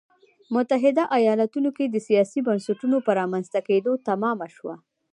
متحده ایالتونو کې د سیاسي بنسټونو په رامنځته کېدو تمامه شوه.